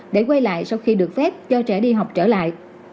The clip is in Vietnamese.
để quay lại sau khi được phép cho trẻ đi học trở lại